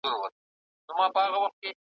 له سر تر نوکه بس ګلدسته یې ,